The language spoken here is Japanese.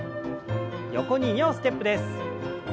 横に２歩ステップです。